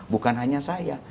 bukan hanya saya